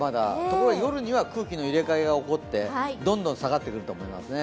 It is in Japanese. ところが夜には空気の入れ替えが起こって、どんどん下がってくると思いますね。